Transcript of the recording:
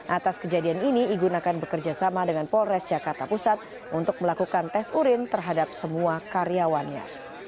atas kejadian ini igun akan bekerjasama dengan polres jakarta pusat untuk melakukan tes urin terhadap semua karyawannya